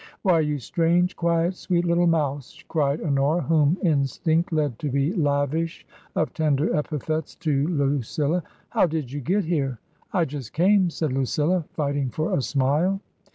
" Why, you strange, quiet, sweet, little mouse !" cried Honora, whom instinct led to be lavish of tender epithets to Lucilla ;" how did you get here ?" I just came," said Lucilla, fighting for a smile.